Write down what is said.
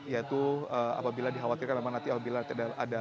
yaitu apabila dikhawatirkan memang nanti apabila tidak ada